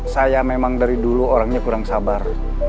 saya memang dari dulu orangnya kurang sabar